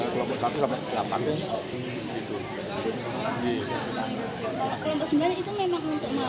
kelompok sembilan itu memang untuk mahasiswa baru pak